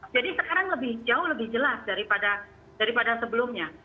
jadi sekarang lebih jauh lebih jelas daripada sebelumnya